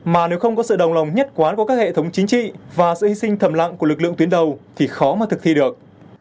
mà nếu không có sự đồng lòng nhất quán của các hệ thống chính trị và sự hy sinh thầm lặng của lực lượng tuyến đầu thì khó mà thực thi được